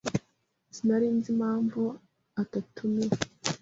Sinari nzi impamvu atatumiwe.